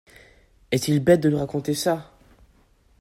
Est-il bête de lui raconter ça !